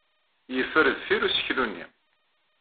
Yeffer deffir useklu-nni.